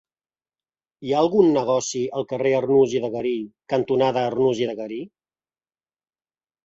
Hi ha algun negoci al carrer Arnús i de Garí cantonada Arnús i de Garí?